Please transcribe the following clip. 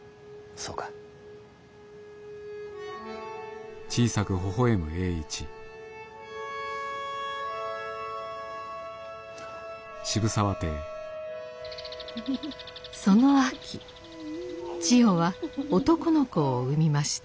その秋千代は男の子を産みました。